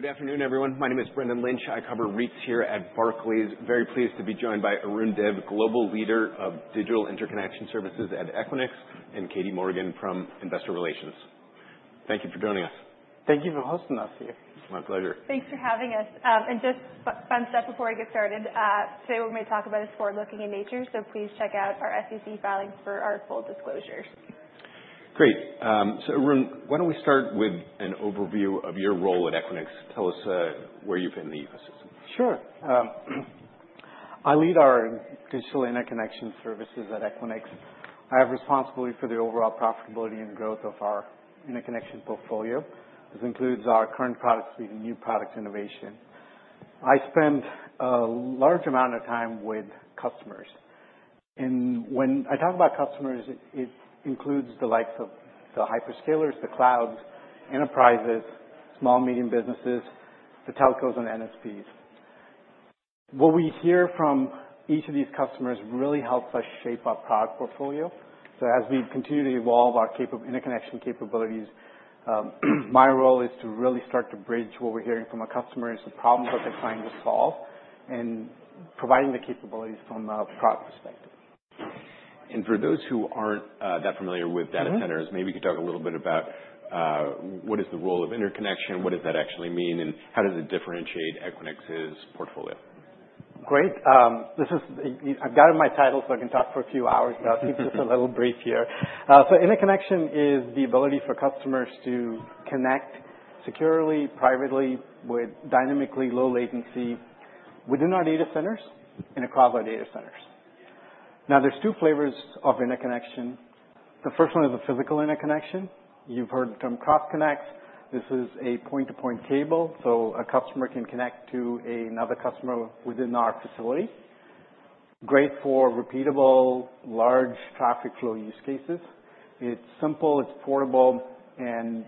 Good afternoon, everyone. My name is Brendan Lynch. I cover REITs here at Barclays. Very pleased to be joined by Arun Dev, Global Leader of Digital Interconnection Services at Equinix, and Katie Morgan from Investor Relations. Thank you for joining us. Thank you for hosting us here. It's my pleasure. Thanks for having us. And just fun stuff before we get started. Today, what we're going to talk about is forward-looking in nature, so please check out our SEC filings for our full disclosures. Great. So, Arun, why don't we start with an overview of your role at Equinix? Tell us where you fit in the ecosystem. Sure. I lead our digital interconnection services at Equinix. I have responsibility for the overall profitability and growth of our interconnection portfolio. This includes our current products, leading new product innovation. I spend a large amount of time with customers, and when I talk about customers, it includes the likes of the hyperscalers, the clouds, enterprises, small and medium businesses, the telcos, and NSPs. What we hear from each of these customers really helps us shape our product portfolio, so as we continue to evolve our interconnection capabilities, my role is to really start to bridge what we're hearing from our customers, the problems that they're trying to solve, and providing the capabilities from a product perspective. For those who aren't that familiar with data centers, maybe you could talk a little bit about what is the role of interconnection, what does that actually mean, and how does it differentiate Equinix's portfolio? Great. I've got it in my title, so I can talk for a few hours, but I'll keep this a little brief here. So, interconnection is the ability for customers to connect securely, privately, with dynamically low latency within our data centers and across our data centers. Now, there's two flavors of interconnection. The first one is a physical interconnection. You've heard the term cross-connect. This is a point-to-point cable, so a customer can connect to another customer within our facility. Great for repeatable, large traffic flow use cases. It's simple, it's portable, and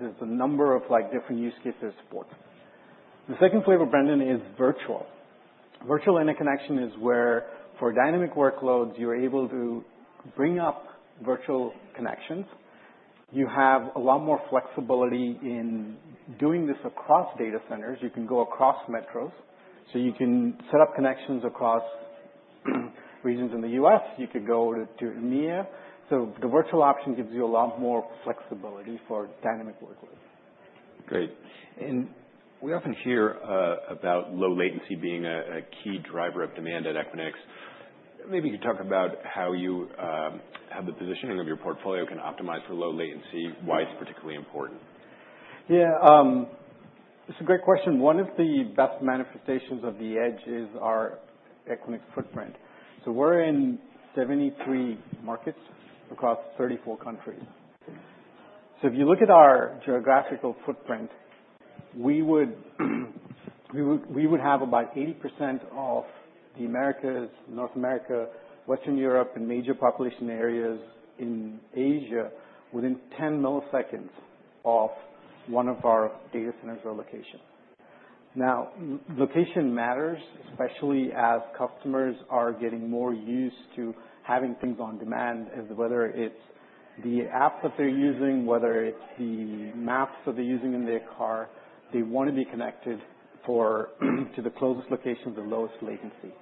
there's a number of different use cases it supports. The second flavor, Brendan, is virtual. Virtual interconnection is where, for dynamic workloads, you're able to bring up virtual connections. You have a lot more flexibility in doing this across data centers. You can go across metros. So, you can set up connections across regions in the U.S. You could go to EMEA. So, the virtual option gives you a lot more flexibility for dynamic workloads. Great. And we often hear about low latency being a key driver of demand at Equinix. Maybe you could talk about how the positioning of your portfolio can optimize for low latency, why it's particularly important? Yeah. It's a great question. One of the best manifestations of the edge is our Equinix footprint, so we're in 73 markets across 34 countries, so if you look at our geographical footprint, we would have about 80% of the Americas, North America, Western Europe, and major population areas in Asia within 10 milliseconds off one of our data centers or locations. Now, location matters, especially as customers are getting more used to having things on demand, whether it's the app that they're using, whether it's the maps that they're using in their car. They want to be connected to the closest location with the lowest latency,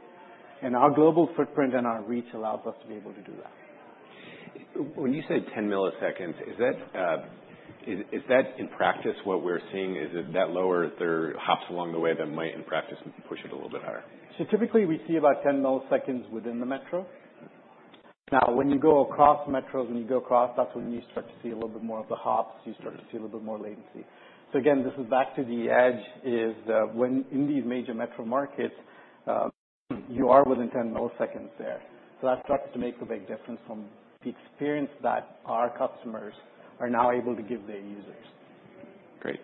and our global footprint and our reach allows us to be able to do that. When you say 10 milliseconds, is that, in practice, what we're seeing? Is it that lower? There are hops along the way that might, in practice, push it a little bit higher? So, typically, we see about 10 milliseconds within the metro. Now, when you go across metros, when you go across, that's when you start to see a little bit more of the hops. You start to see a little bit more latency. So, again, this is back to the edge, is that when in these major metro markets, you are within 10 milliseconds there. So, that starts to make a big difference from the experience that our customers are now able to give their users. Great.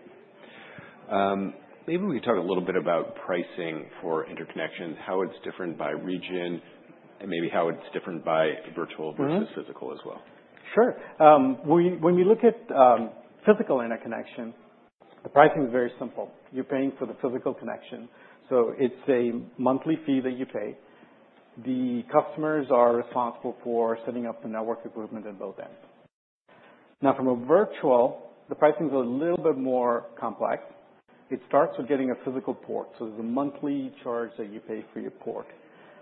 Maybe we could talk a little bit about pricing for interconnections, how it's different by region, and maybe how it's different by virtual versus physical as well. Sure. When we look at physical interconnection, the pricing is very simple. You're paying for the physical connection. So, it's a monthly fee that you pay. The customers are responsible for setting up the network equipment at both ends. Now, from a virtual, the pricing is a little bit more complex. It starts with getting a physical port. So, there's a monthly charge that you pay for your port.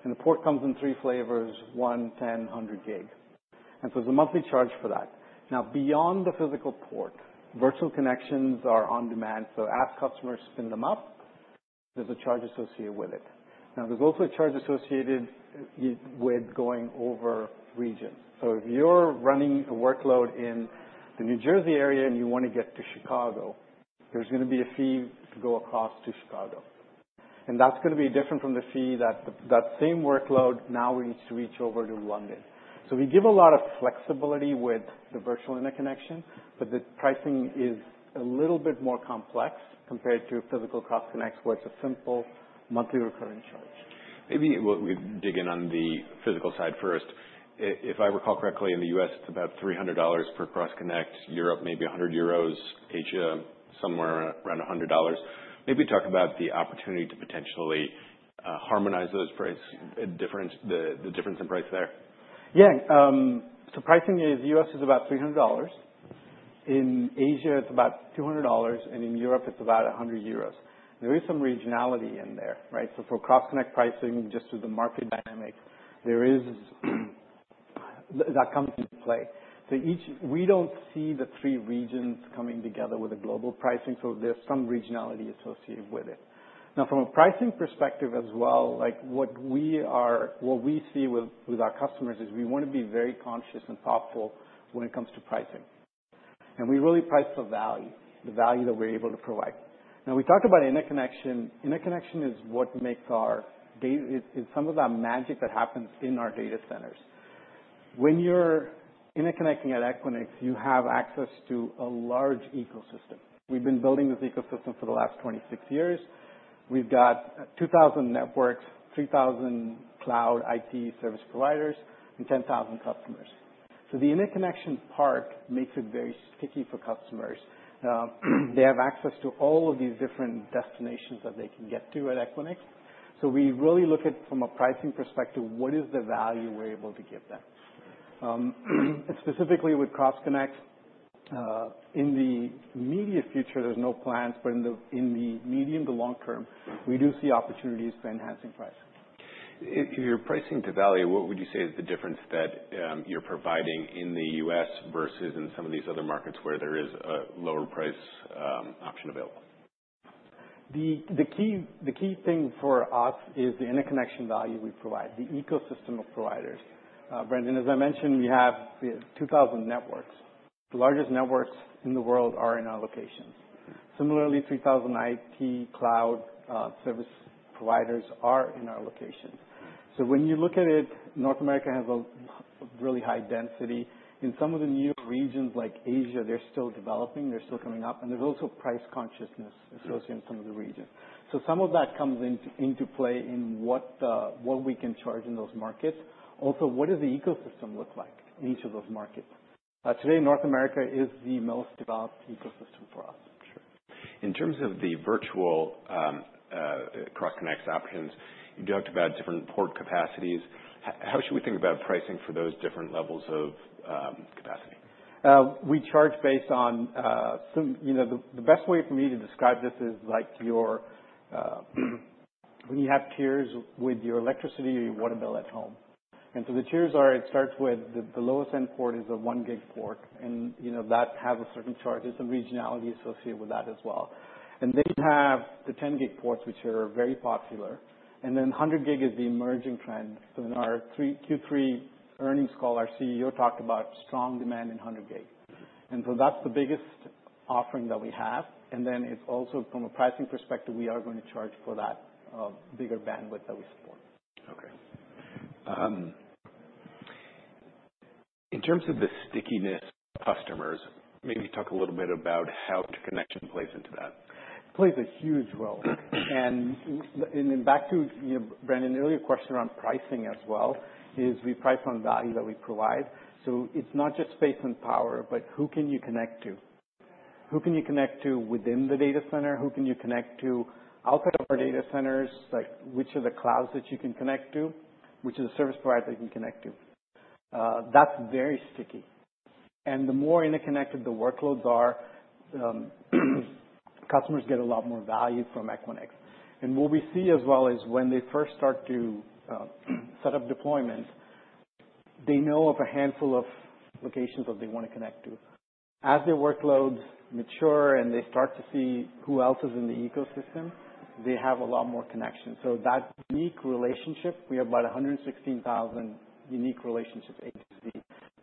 And the port comes in three flavors: one, 10, 100 gig. And so, there's a monthly charge for that. Now, beyond the physical port, virtual connections are on demand. So, as customers spin them up, there's a charge associated with it. Now, there's also a charge associated with going over regions. So, if you're running a workload in the New Jersey area and you want to get to Chicago, there's going to be a fee to go across to Chicago. That's going to be different from the fee that that same workload now needs to reach over to London. We give a lot of flexibility with the virtual interconnection, but the pricing is a little bit more complex compared to physical cross-connects, where it's a simple monthly recurring charge. Maybe we dig in on the physical side first. If I recall correctly, in the U.S., it's about $300 per cross-connect. Europe, maybe 100 euros. Asia, somewhere around $100. Maybe talk about the opportunity to potentially harmonize those price differences, the difference in price there. Yeah. So, pricing in the U.S. is about $300. In Asia, it's about $200, and in Europe, it's about 100 euros. There is some regionality in there, right? So, for cross-connect pricing, just through the market dynamic, that comes into play. So, we don't see the three regions coming together with a global pricing, so there's some regionality associated with it. Now, from a pricing perspective as well, what we see with our customers is we want to be very conscious and thoughtful when it comes to pricing. And we really price the value, the value that we're able to provide. Now, we talked about interconnection. Interconnection is what makes our data centers some of that magic that happens in our data centers. When you're interconnecting at Equinix, you have access to a large ecosystem. We've been building this ecosystem for the last 26 years. We've got 2,000 networks, 3,000 cloud IT service providers, and 10,000 customers. So, the interconnection part makes it very sticky for customers. They have access to all of these different destinations that they can get to at Equinix. So, we really look at, from a pricing perspective, what is the value we're able to give them. Specifically with cross-connects, in the immediate future, there's no plans, but in the medium to long term, we do see opportunities for enhancing pricing. If you're pricing to value, what would you say is the difference that you're providing in the U.S. versus in some of these other markets where there is a lower price option available? The key thing for us is the interconnection value we provide, the ecosystem of providers. Brendan, as I mentioned, we have 2,000 networks. The largest networks in the world are in our locations. Similarly, 3,000 IT cloud service providers are in our locations. So, when you look at it, North America has a really high density. In some of the newer regions like Asia, they're still developing, they're still coming up, and there's also price consciousness associated in some of the regions. So, some of that comes into play in what we can charge in those markets. Also, what does the ecosystem look like in each of those markets? Today, North America is the most developed ecosystem for us, for sure. In terms of the virtual cross-connects options, you talked about different port capacities. How should we think about pricing for those different levels of capacity? We charge based on the best way for me to describe this is like when you have tiers with your electricity or your water bill at home, and so the tiers are, it starts with the lowest end port is a one gig port, and that has a certain charge. There's some regionality associated with that as well, and then you have the 10 gig ports, which are very popular, and then 100 gig is the emerging trend, so in our Q3 earnings call, our CEO talked about strong demand in 100 gig, and so that's the biggest offering that we have, and then it's also, from a pricing perspective, we are going to charge for that bigger bandwidth that we support. Okay. In terms of the stickiness of customers, maybe talk a little bit about how interconnection plays into that. It plays a huge role, and then back to Brendan's earlier question around pricing as well: we price on value that we provide. So, it's not just space and power, but who can you connect to? Who can you connect to within the data center? Who can you connect to outside of our data centers? Which are the clouds that you can connect to? Which is the service provider that you can connect to? That's very sticky. The more interconnected the workloads are, customers get a lot more value from Equinix. What we see as well is when they first start to set up deployment, they know of a handful of locations that they want to connect to. As their workloads mature and they start to see who else is in the ecosystem, they have a lot more connections. That unique relationship, we have about 116,000 unique relationships A to Z.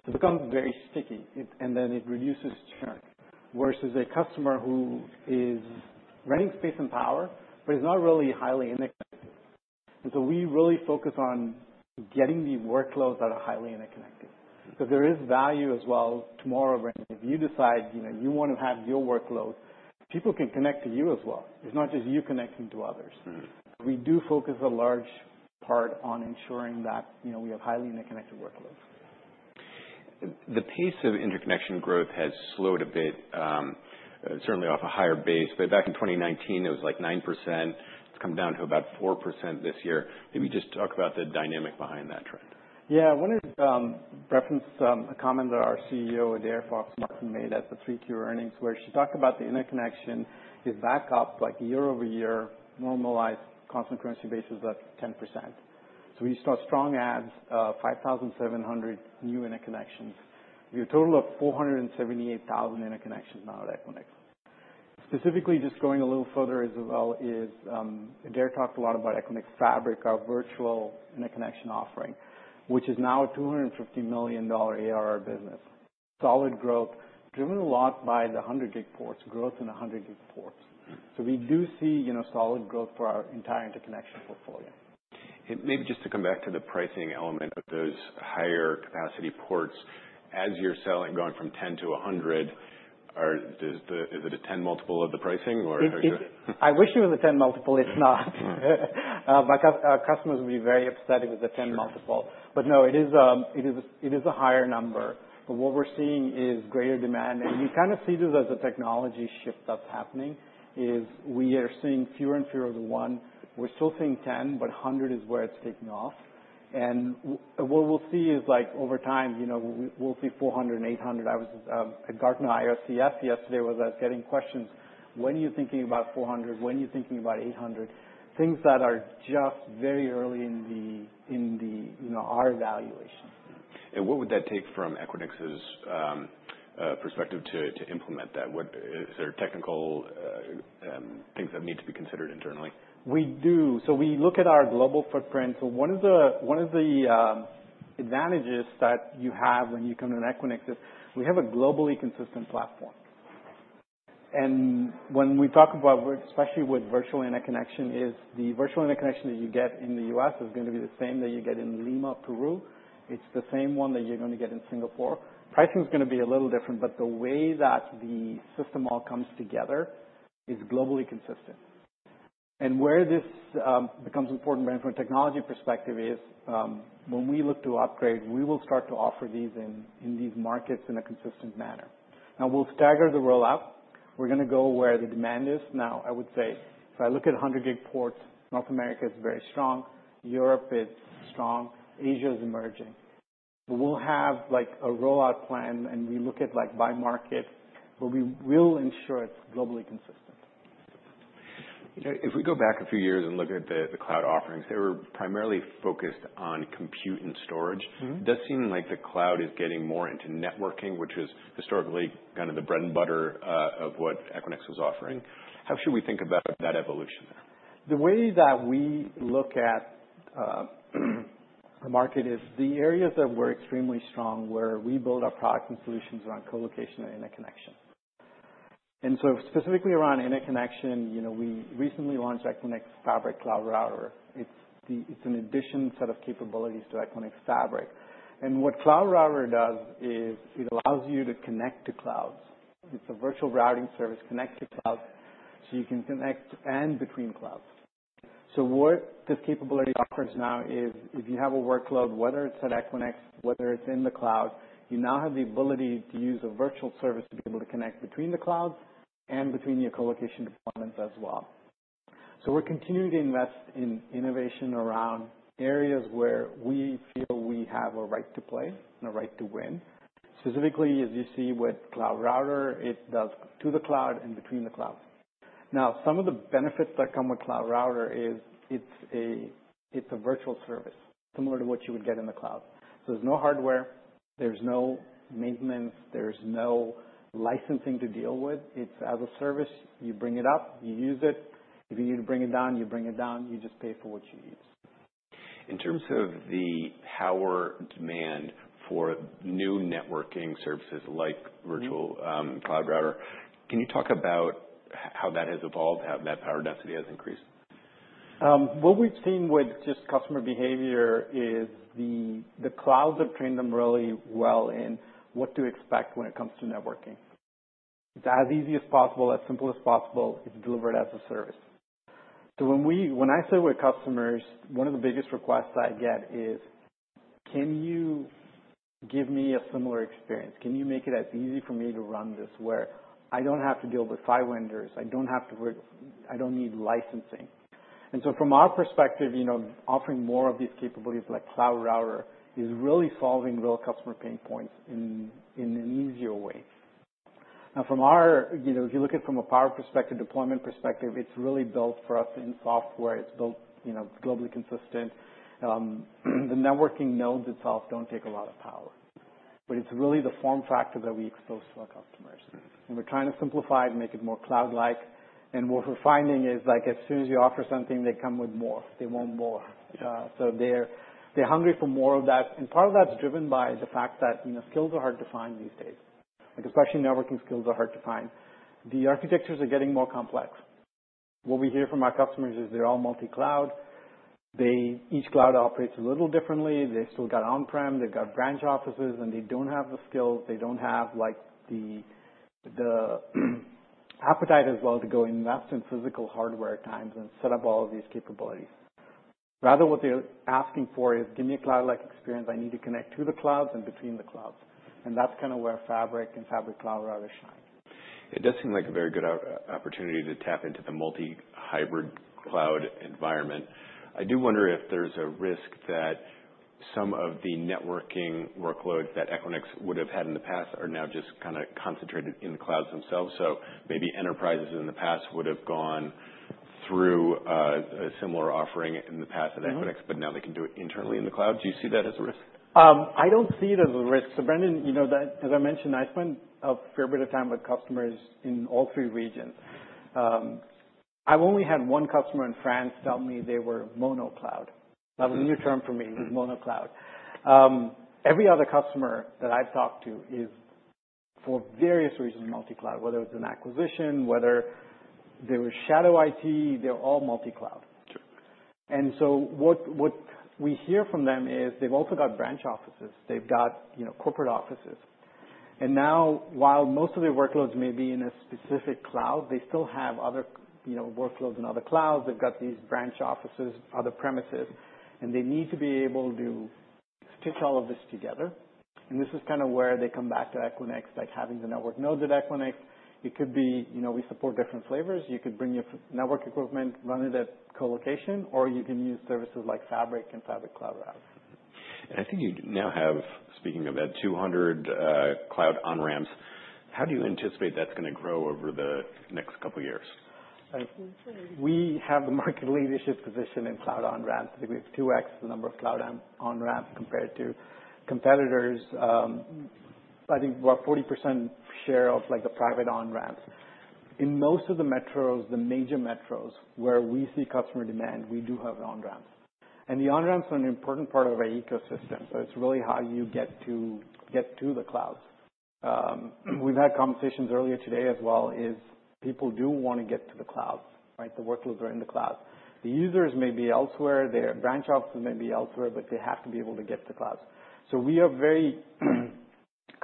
It becomes very sticky, and then it reduces churn versus a customer who is running space and power, but is not really highly interconnected. We really focus on getting the workloads that are highly interconnected. Because there is value as well tomorrow, Brendan, if you decide you want to have your workload, people can connect to you as well. It's not just you connecting to others. We do focus a large part on ensuring that we have highly interconnected workloads. The pace of interconnection growth has slowed a bit, certainly off a higher base. But back in 2019, it was like 9%. It's come down to about 4% this year. Maybe just talk about the dynamic behind that trend. Yeah. I want to reference a comment that our CEO, Adaire Fox-Martin, made at the earnings, where she talked about the interconnection is back up like year over year, normalized constant currency basis at 10%. So, we start strong adds, 5,700 new interconnections. We have a total of 478,000 interconnections now at Equinix. Specifically, just going a little further as well, Adaire talked a lot about Equinix Fabric, our virtual interconnection offering, which is now a $250 million ARR business. Solid growth, driven a lot by the 100 gig ports, growth in 100 gig ports. So, we do see solid growth for our entire interconnection portfolio. And maybe just to come back to the pricing element of those higher capacity ports, as you're selling, going from 10 to 100, is it a 10 multiple of the pricing, or? I wish it was a 10 multiple. It's not. Our customers will be very upset if it's a 10 multiple. But no, it is a higher number. But what we're seeing is greater demand. And we kind of see this as a technology shift that's happening, is we are seeing fewer and fewer of the one. We're still seeing 10, but 100 is where it's taking off. And what we'll see is, over time, we'll see 400 and 800. I was at Gartner IOCS yesterday where I was getting questions. When are you thinking about 400? When are you thinking about 800? Things that are just very early in our evaluation. And what would that take from Equinix's perspective to implement that? Is there technical things that need to be considered internally? We do. So, we look at our global footprint. So, one of the advantages that you have when you come to Equinix is we have a globally consistent platform. And when we talk about, especially with virtual interconnection, is the virtual interconnection that you get in the U.S. is going to be the same that you get in Lima, Peru. It's the same one that you're going to get in Singapore. Pricing is going to be a little different, but the way that the system all comes together is globally consistent. And where this becomes important, Brendan, from a technology perspective is when we look to upgrade, we will start to offer these in these markets in a consistent manner. Now, we'll stagger the rollout. We're going to go where the demand is. Now, I would say, if I look at 100 gig ports, North America is very strong. Europe is strong. Asia is emerging. But we'll have a rollout plan, and we look at by market, but we will ensure it's globally consistent. If we go back a few years and look at the cloud offerings, they were primarily focused on compute and storage. It does seem like the cloud is getting more into networking, which was historically kind of the bread and butter of what Equinix was offering. How should we think about that evolution there? The way that we look at the market is the areas that we're extremely strong, where we build our products and solutions around colocation and interconnection. And so, specifically around interconnection, we recently launched Equinix Fabric Cloud Router. It's an addition set of capabilities to Equinix Fabric. And what Cloud Router does is it allows you to connect to clouds. It's a virtual routing service connected to clouds, so you can connect and between clouds. So, what this capability offers now is if you have a workload, whether it's at Equinix, whether it's in the cloud, you now have the ability to use a virtual service to be able to connect between the clouds and between your colocation deployments as well. So, we're continuing to invest in innovation around areas where we feel we have a right to play and a right to win. Specifically, as you see with Cloud Router, it does to the cloud and between the clouds. Now, some of the benefits that come with Cloud Router is it's a virtual service, similar to what you would get in the cloud. So, there's no hardware, there's no maintenance, there's no licensing to deal with. It's as a service. You bring it up, you use it. If you need to bring it down, you bring it down. You just pay for what you use. In terms of the power demand for new networking services like virtual Cloud Router, can you talk about how that has evolved, how that power density has increased? What we've seen with just customer behavior is the clouds have trained them really well in what to expect when it comes to networking. It's as easy as possible, as simple as possible. It's delivered as a service. So, when I sit with customers, one of the biggest requests I get is, can you give me a similar experience? Can you make it as easy for me to run this where I don't have to deal with side vendors? I don't have to, I don't need licensing. And so, from our perspective, offering more of these capabilities like Cloud Router is really solving real customer pain points in an easier way. Now, from our, if you look at it from a power perspective, deployment perspective, it's really built for us in software. It's built globally consistent. The networking nodes itself don't take a lot of power. But it's really the form factor that we expose to our customers. And we're trying to simplify it, make it more cloud-like. And what we're finding is, as soon as you offer something, they come with more. They want more. So, they're hungry for more of that. And part of that's driven by the fact that skills are hard to find these days. Especially networking skills are hard to find. The architectures are getting more complex. What we hear from our customers is they're all multi-cloud. Each cloud operates a little differently. They've still got on-prem, they've got branch offices, and they don't have the skills. They don't have the appetite as well to go invest in physical hardware at times and set up all of these capabilities. Rather, what they're asking for is, give me a cloud-like experience. I need to connect to the clouds and between the clouds. That's kind of where Fabric and Fabric Cloud Router shine. It does seem like a very good opportunity to tap into the multi-hybrid cloud environment. I do wonder if there's a risk that some of the networking workloads that Equinix would have had in the past are now just kind of concentrated in the clouds themselves. So, maybe enterprises in the past would have gone through a similar offering in the past at Equinix, but now they can do it internally in the cloud. Do you see that as a risk? I don't see it as a risk. So, Brendan, as I mentioned, I spent a fair bit of time with customers in all three regions. I've only had one customer in France tell me they were mono cloud. That was a new term for me, mono cloud. Every other customer that I've talked to is for various reasons multi-cloud, whether it's an acquisition, whether they were shadow IT, they're all multi-cloud. And so, what we hear from them is they've also got branch offices. They've got corporate offices. And now, while most of their workloads may be in a specific cloud, they still have other workloads in other clouds. They've got these branch offices, other premises, and they need to be able to stitch all of this together. And this is kind of where they come back to Equinix, like having the network nodes at Equinix. It could be we support different flavors. You could bring your network equipment, run it at colocation, or you can use services like Fabric and Fabric Cloud Router. I think you now have, speaking of that, 200 cloud on-ramps. How do you anticipate that's going to grow over the next couple of years? We have the market leadership position in cloud on-ramps. I think we have 2x the number of cloud on-ramps compared to competitors. I think about 40% share of the private on-ramps. In most of the metros, the major metros where we see customer demand, we do have on-ramps. And the on-ramps are an important part of our ecosystem. So, it's really how you get to the clouds. We've had conversations earlier today as well as people do want to get to the clouds. The workloads are in the clouds. The users may be elsewhere. Their branch offices may be elsewhere, but they have to be able to get to the clouds. So, we are very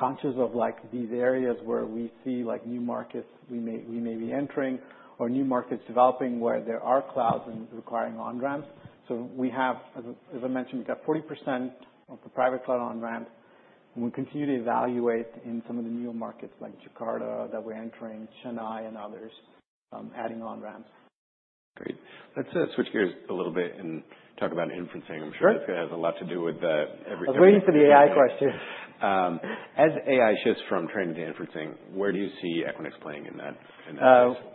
conscious of these areas where we see new markets we may be entering or new markets developing where there are clouds and requiring on-ramps. So, as I mentioned, we've got 40% of the private cloud on-ramps, and we continue to evaluate in some of the new markets like Jakarta that we're entering, Chennai and others, adding on-ramps. Great. Let's switch gears a little bit and talk about inferencing. I'm sure it has a lot to do with everything. I was waiting for the AI question. As AI shifts from training to inferencing, where do you see Equinix playing in that space?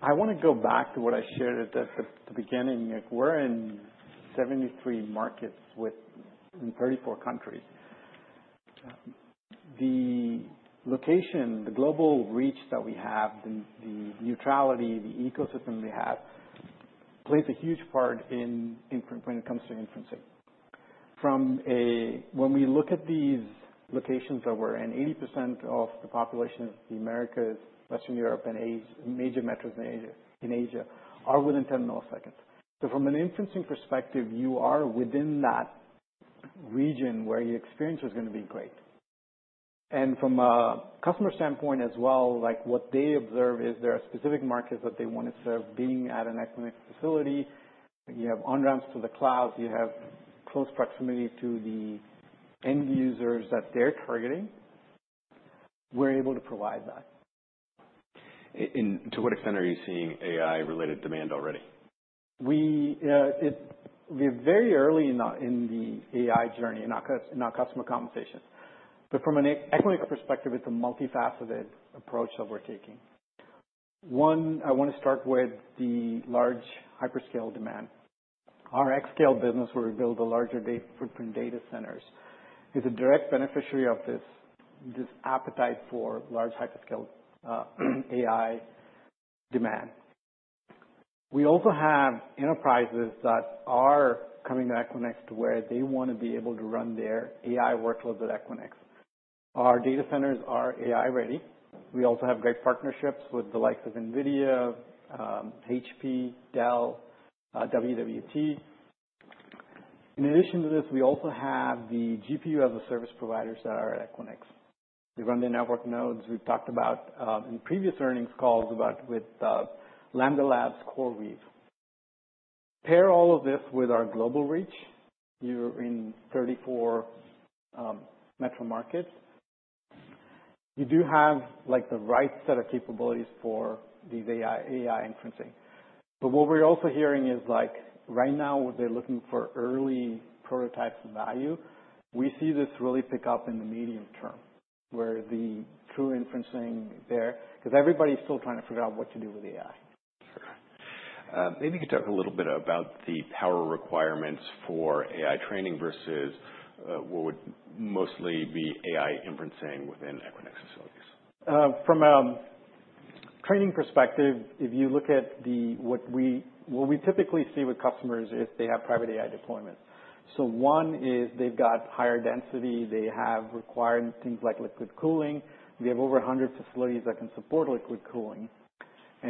I want to go back to what I shared at the beginning. We're in 73 markets in 34 countries. The location, the global reach that we have, the neutrality, the ecosystem we have plays a huge part when it comes to inferencing. When we look at these locations that we're in, 80% of the population, the Americas, Western Europe, and major metros in Asia are within 10 milliseconds, so from an inferencing perspective, you are within that region where your experience is going to be great, and from a customer standpoint as well, what they observe is there are specific markets that they want to serve. Being at an Equinix facility, you have on-ramps to the clouds. You have close proximity to the end users that they're targeting. We're able to provide that. To what extent are you seeing AI-related demand already? We're very early in the AI journey in our customer conversations. But from an Equinix perspective, it's a multifaceted approach that we're taking. One, I want to start with the large hyperscale demand. Our xScale business, where we build the larger data footprint data centers, is a direct beneficiary of this appetite for large hyperscale AI demand. We also have enterprises that are coming to Equinix to where they want to be able to run their AI workloads at Equinix. Our data centers are AI-ready. We also have great partnerships with the likes of NVIDIA, HP, Dell, WWT. In addition to this, we also have the GPU as a service providers that are at Equinix. They run their network nodes. We've talked about in previous earnings calls about with Lambda Labs, CoreWeave. Pair all of this with our global reach. You're in 34 metro markets. You do have the right set of capabilities for these AI inferencing. But what we're also hearing is, right now, they're looking for early prototypes of value. We see this really pick up in the medium term where the true inferencing there, because everybody's still trying to figure out what to do with AI. Sure. Maybe you could talk a little bit about the power requirements for AI training versus what would mostly be AI inferencing within Equinix facilities. From a training perspective, if you look at what we typically see with customers, is they have private AI deployments. So, one is they've got higher density. They have required things like liquid cooling. We have over 100 facilities that can support liquid cooling. But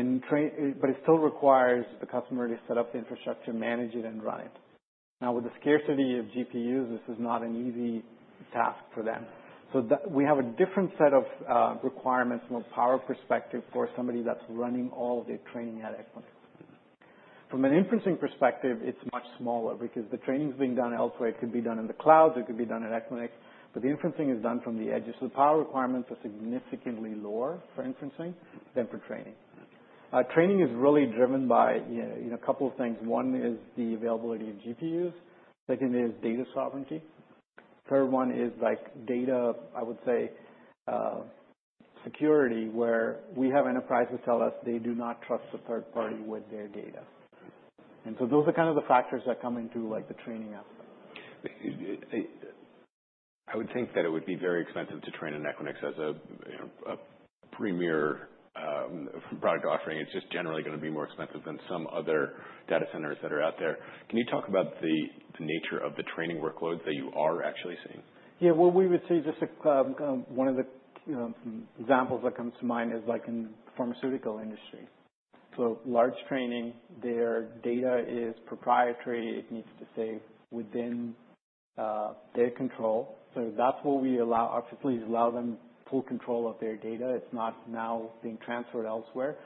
it still requires the customer to set up the infrastructure, manage it, and run it. Now, with the scarcity of GPUs, this is not an easy task for them. So, we have a different set of requirements from a power perspective for somebody that's running all of their training at Equinix. From an inferencing perspective, it's much smaller because the training's being done elsewhere. It could be done in the clouds. It could be done at Equinix. But the inferencing is done from the edges. So, the power requirements are significantly lower for inferencing than for training. Training is really driven by a couple of things. One is the availability of GPUs. Second is data sovereignty. Third one is data, I would say, security where we have enterprises tell us they do not trust a third party with their data. And so, those are kind of the factors that come into the training aspect. I would think that it would be very expensive to train at Equinix as a premier product offering. It's just generally going to be more expensive than some other data centers that are out there. Can you talk about the nature of the training workloads that you are actually seeing? Yeah. What we would see, just one of the examples that comes to mind is in the pharmaceutical industry. So, large training, their data is proprietary. It needs to stay within their control. So, that's what we allow. Our facilities allow them full control of their data. It's not now being transferred elsewhere.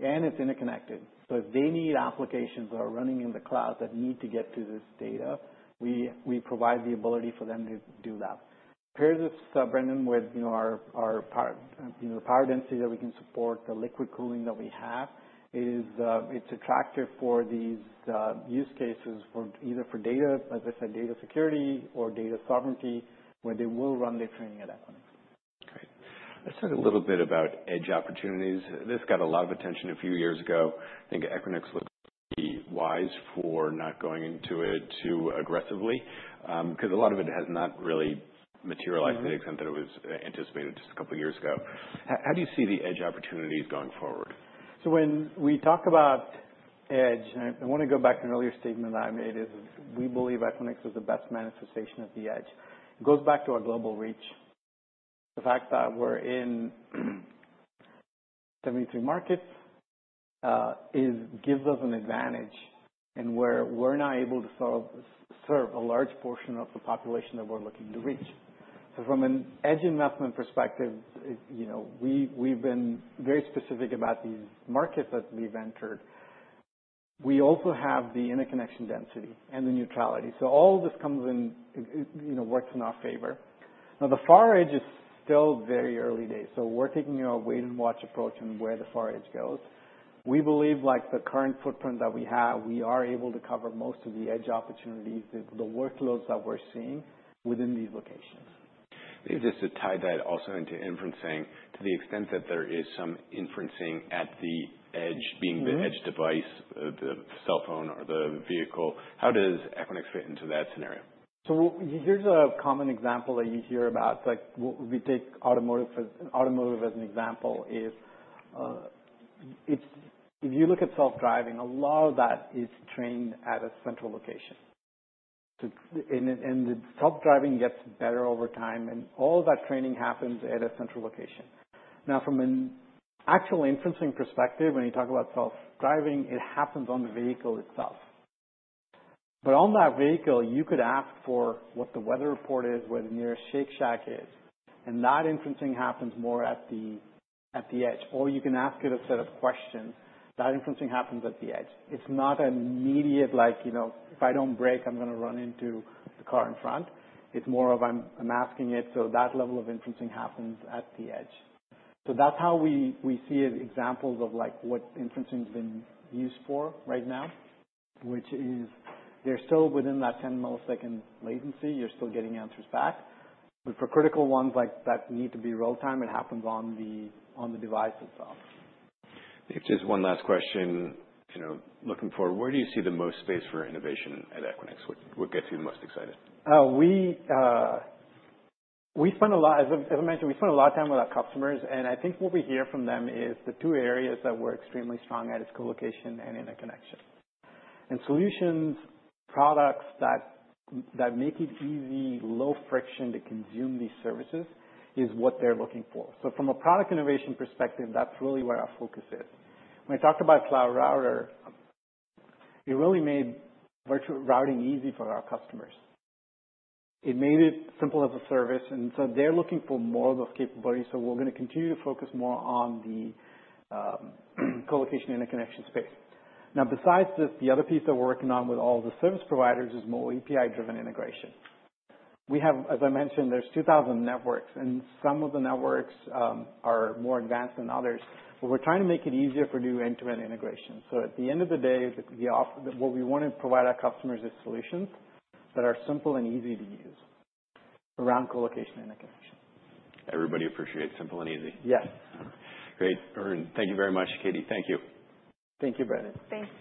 And it's interconnected. So, if they need applications that are running in the cloud that need to get to this data, we provide the ability for them to do that. Pairs this, Brendan, with our power density that we can support, the liquid cooling that we have. It's attractive for these use cases for either for data, as I said, data security or data sovereignty where they will run their training at Equinix. Great. Let's talk a little bit about edge opportunities. This got a lot of attention a few years ago. I think Equinix looked pretty wise for not going into it too aggressively because a lot of it has not really materialized to the extent that it was anticipated just a couple of years ago. How do you see the edge opportunities going forward? So, when we talk about edge, and I want to go back to an earlier statement that I made, is we believe Equinix is the best manifestation of the edge. It goes back to our global reach. The fact that we're in 73 markets gives us an advantage in where we're now able to serve a large portion of the population that we're looking to reach. So, from an edge investment perspective, we've been very specific about these markets that we've entered. We also have the interconnection density and the neutrality. So, all of this comes in, works in our favor. Now, the far edge is still very early days. So, we're taking a wait-and-watch approach in where the far edge goes. We believe the current footprint that we have, we are able to cover most of the edge opportunities, the workloads that we're seeing within these locations. Maybe just to tie that also into inferencing, to the extent that there is some inferencing at the edge, being the edge device, the cell phone or the vehicle, how does Equinix fit into that scenario? Here's a common example that you hear about. We take automotive as an example. If you look at self-driving, a lot of that is trained at a central location, and the self-driving gets better over time, and all of that training happens at a central location. Now, from an actual inferencing perspective, when you talk about self-driving, it happens on the vehicle itself. On that vehicle, you could ask for what the weather report is, where the nearest Shake Shack is, and that inferencing happens more at the edge. You can ask it a set of questions. That inferencing happens at the edge. It's not an immediate, like, if I don't brake, I'm going to run into the car in front. It's more of, I'm asking it. That level of inferencing happens at the edge. So, that's how we see examples of what inferencing has been used for right now, which is they're still within that 10 millisecond latency. You're still getting answers back. But for critical ones that need to be real time, it happens on the device itself. Maybe just one last question looking forward. Where do you see the most space for innovation at Equinix? What gets you the most excited? As I mentioned, we spend a lot of time with our customers, and I think what we hear from them is the two areas that we're extremely strong at is colocation and interconnection, and solutions, products that make it easy, low friction to consume these services is what they're looking for, so from a product innovation perspective, that's really where our focus is. When I talked about cloud router, it really made routing easy for our customers. It made it simple as a service, and so they're looking for more of those capabilities, so we're going to continue to focus more on the colocation interconnection space. Now, besides this, the other piece that we're working on with all the service providers is more API-driven integration. We have, as I mentioned, there's 2,000 networks, and some of the networks are more advanced than others. But we're trying to make it easier for new end-to-end integration. So, at the end of the day, what we want to provide our customers is solutions that are simple and easy to use around colocation interconnection. Everybody appreciates simple and easy. Yes. Great. Thank you very much, Katie. Thank you. Thank you Brendan. Thanks.